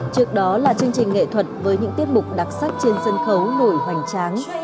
trước đó là chương trình nghệ thuật với những tiết mục đặc sắc trên sân khấu nổi hoành tráng